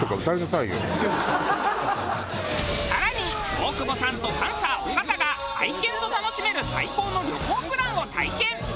更に大久保さんとパンサー尾形が愛犬と楽しめる最高の旅行プランを体験！